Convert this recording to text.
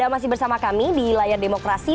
masih bersama kami di layar demokrasi